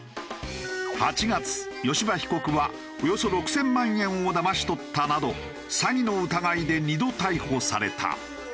８月吉羽被告はおよそ６０００万円をだまし取ったなど詐欺の疑いで２度逮捕された。